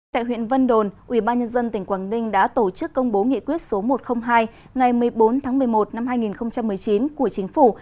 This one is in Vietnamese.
tại huyện vân đồn ubnd tỉnh quảng ninh đã tổ chức công bố nghị quyết số một trăm linh hai ngày một mươi bốn tháng một mươi một năm hai nghìn một mươi chín của chính phủ